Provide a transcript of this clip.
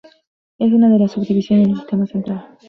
Es una de las subdivisiones del Sistema Central.